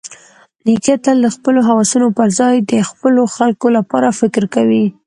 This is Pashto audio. نیکه تل د خپلو هوسونو پرځای د خپلو خلکو لپاره فکر کوي.